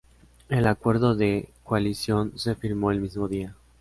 El acuerdo de coalición se firmó el mismo día.